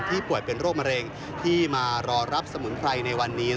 ป่วยเป็นโรคมะเร็งที่มารอรับสมุนไพรในวันนี้